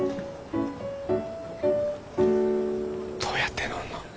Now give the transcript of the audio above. どうやって乗るの？